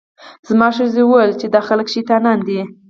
زما ښځې وویل چې دا خلک شیطانان دي.